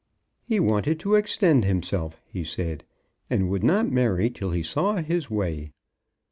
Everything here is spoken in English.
"He wanted to extend himself," he said, "and would not marry till he saw his way."